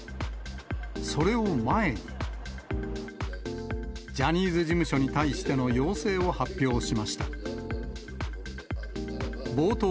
それを前に、ジャニーズ事務所に対しての要請を発表しました。